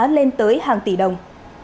nên tới hàng tỷ đồng